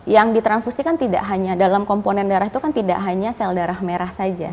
yang ditransfusi kan tidak hanya dalam komponen darah itu kan tidak hanya sel darah merah saja